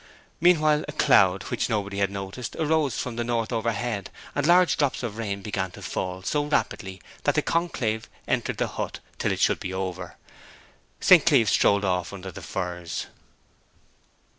Meanwhile a cloud, which nobody had noticed, arose from the north overhead, and large drops of rain began to fall so rapidly that the conclave entered the hut till it should be over. St. Cleeve strolled off under the firs.